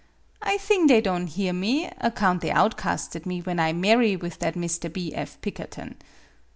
I thing they don' hear me, account they outcasted me when I marry with that Mr. B. F. Pik kerton.